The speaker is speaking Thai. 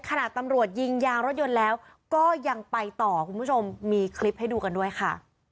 ตำรวจยิงยางรถยนต์แล้วก็ยังไปต่อคุณผู้ชมมีคลิปให้ดูกันด้วยค่ะ